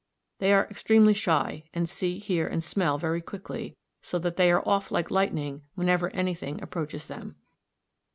They are extremely shy, and see, hear, and smell very quickly, so that they are off like lightning whenever anything approaches them.